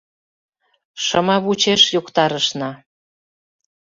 Шымавучеш йоктарышна.